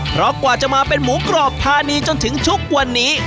เพราะกว่าจะมาเป็นหมูกรอบภานีจนถึงทุกวันนี้